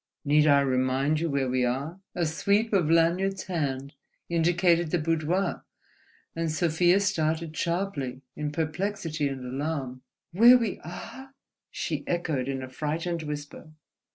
"Need I remind you where we are?" A sweep of Lanyard's hand indicated the boudoir; and Sofia started sharply in perplexity and alarm. "Where we are!" she echoed in a frightened whisper.